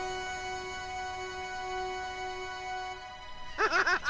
アハハハ！